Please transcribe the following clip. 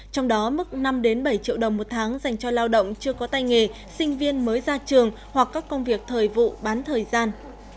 trong đó mức năm bảy triệu đồng một tháng dành cho lao động chưa có tay nghề sinh viên mới ra trường hoặc các công việc thời vụ bán thời gian